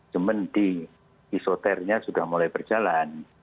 jemen di isoternya sudah mulai berjalan